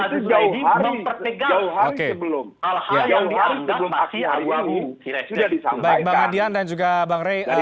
dari pan misalnya